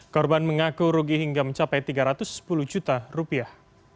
korban mengaku rugi hingga mencapai tiga ratus sepuluh juta rupiah